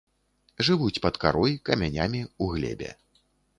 Жывуць пад карой, камянямі, у глебе.